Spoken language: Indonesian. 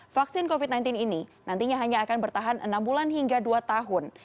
vaksin covid sembilan belas ini nantinya hanya akan bertahan enam bulan hingga dua tahun